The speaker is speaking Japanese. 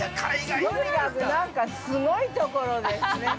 ◆とにかく、なんかすごいところですね。